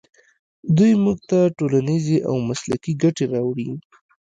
دوی موږ ته ټولنیزې او مسلکي ګټې راوړي.